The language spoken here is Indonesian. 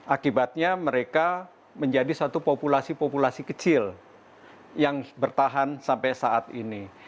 akibatnya mereka menjadi satu populasi populasi kecil yang bertahan sampai saat ini